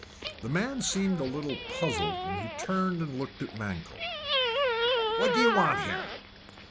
The man seemed a little puzzled. He turned and looked at Mankell. "What do you want here?"